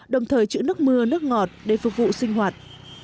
đồng thời chữ nước mưa nước ngọt để phục vụ sinh hoạt